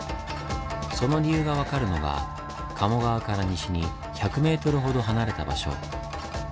その理由が分かるのが鴨川から西に１００ｍほど離れた場所。